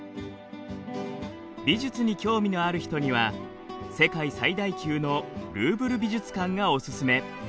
美術に興味のある人には世界最大級のルーヴル美術館がオススメ。